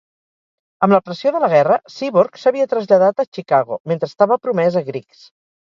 Amb la pressió de la guerra, Seaborg s'havia traslladat a Chicago mentre estava promès a Griggs.